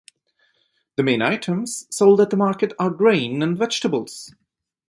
The main items sold at the market are grain and vegetables.